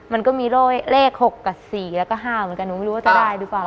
มันก็มีเลข๖กับ๔แล้วก็๕เหมือนกันหนูไม่รู้ว่าจะได้หรือเปล่า